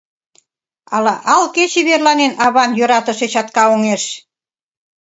Ала ал кече верланен Аван йӧратыше чатка оҥеш?